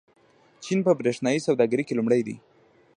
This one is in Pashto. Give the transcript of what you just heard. چین په برېښنايي سوداګرۍ کې لومړی دی.